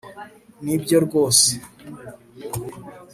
Nibyo rwose